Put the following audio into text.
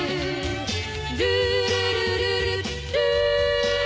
「ルールルルルルー」